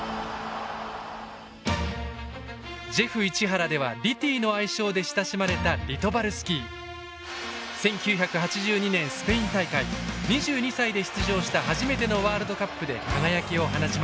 ジェフ市原では「リティ」の愛称で親しまれた１９８２年スペイン大会２２歳で出場した初めてのワールドカップで輝きを放ちました。